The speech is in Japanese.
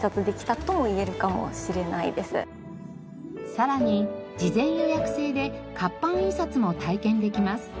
さらに事前予約制で活版印刷も体験できます。